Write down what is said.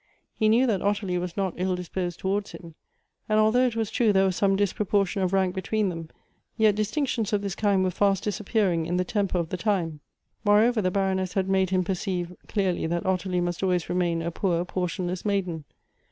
lie knew tliat Ottilie was not ill dis jiosed towards liim; and although it was true there was some disproportion of rank between them, yet distinctions of this kind were fast disappearing in the temper of the time. Moreover, the Baroness had made him perceive clearly th.at Ottilie must .always remain a poor portionless maiden.